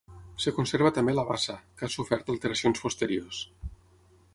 Es conserva també la bassa, que ha sofert alteracions posteriors.